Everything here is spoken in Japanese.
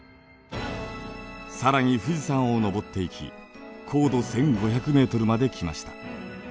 更に富士山を登っていき高度１，５００ｍまで来ました。